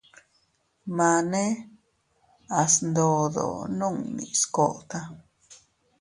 Mane a sndodo nunni skota.